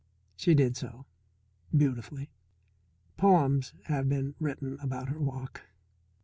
She did so. Beautifully. Poems have been written about her walk.